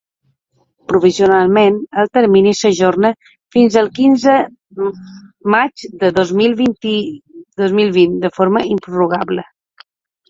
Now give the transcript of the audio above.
Provisionalment el termini s'ajorna fins al quinze maig de dos mil vint de forma improrrogable.